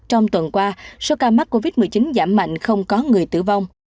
trong tuần qua số ca mắc covid một mươi chín giảm mạnh không có người tử vong